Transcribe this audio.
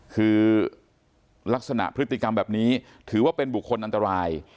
คือลักษณะพฤติกรรมแบบนี้ถือว่าเป็นบุคคลอันตราย